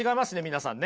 皆さんね。